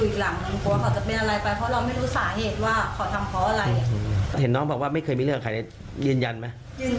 กลัวเพราะว่าน้องขออยู่คนเดียวไง